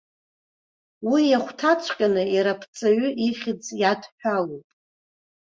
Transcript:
Уи иахәҭаҵәҟьаны иара аԥҵаҩы ихьӡ иадҳәалоуп.